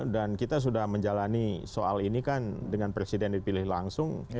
dan kita sudah menjalani soal ini kan dengan presiden dipilih langsung